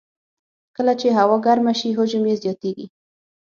کله چې هوا ګرمه شي، حجم یې زیاتېږي.